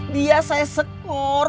dia saya sekor